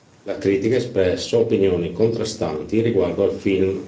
La critica ha espresso opinioni contrastanti riguardo al film.